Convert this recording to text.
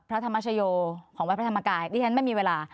พระธรรมชโยของวัดพระธรรมกายดิฉันไม่มีเวลา